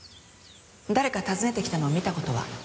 誰か訪ねてきたのを見た事は？